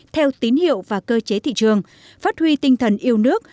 theo tín hiệu và cơ chế thị trường phát huy tinh thần yêu nước